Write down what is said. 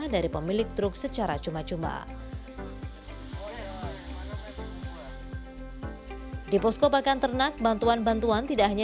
dari pemilik truk secara cuma cuma di posko pakan ternak bantuan bantuan tidak hanya